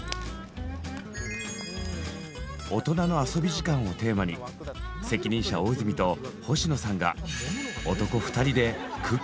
「オトナの遊び時間」をテーマに責任者大泉と星野さんが男２人でクッキング。